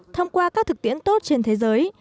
thông qua các thực tiễn tốt trên thế giới